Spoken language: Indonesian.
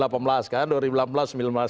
jadi presiden jadi pelanggar